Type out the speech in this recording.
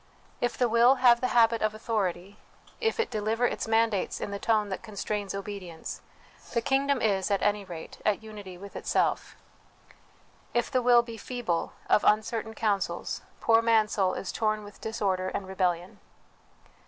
If the will have the habit of 317 318 HOME EDUCATION authority, if it deliver its mandates in the tone that constrains obedience, the kingdom is, at any rate, at unity with itself. If the will be feeble, of uncertain counsels, poor Mansoul is torn with disorder and rebellion.